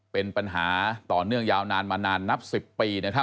เป็นปัญหาต่อเนื่องยาวนานมานานนับ๑๐ปี